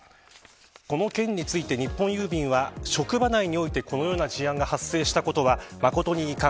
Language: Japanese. この件について日本郵便は職場内においてこのような事案が発生したことは誠に遺憾。